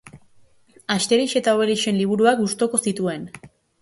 Asteriz eta Obelixen liburuak gustuko zituen.